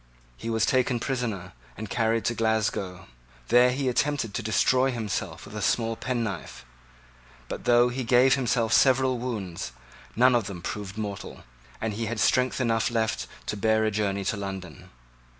He was taken prisoner, and carried to Glasgow. There he attempted to destroy himself with a small penknife: but though he gave himself several wounds, none of them proved mortal, and he had strength enough left to bear a journey to London.